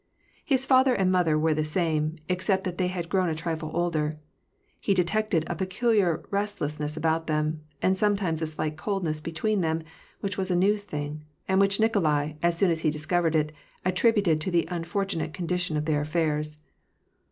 His father and mother were the same, ex cept that they had grown a trifle older. He detected a pecul iar restlessness about them, and sometimes a slight coldness between them, which was a new thing ; and which Nikolai, as soon as he discovered it, attributed to the unfortunate condi tion of their affairs.